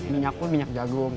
minyak pun minyak jagung